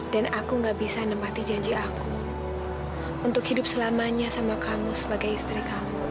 dan aku nggak bisa nempati janji aku untuk hidup selamanya sama kamu sebagai istri kamu